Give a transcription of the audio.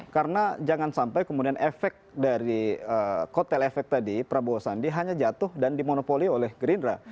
karena jangan sampai efek dari kotel efek tadi prabowo sandi hanya jatuh dan dimonopoli oleh gerindra